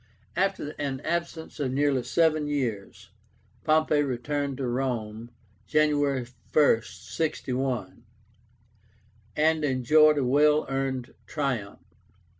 After an absence of nearly seven years, Pompey returned to Rome, January 1, 61, and enjoyed a well earned triumph.